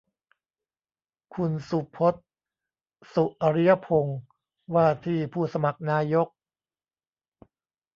คุณสุพจน์ สุอริยพงษ์ ว่าที่ผู้สมัครนายก